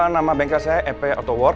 nama bengkel saya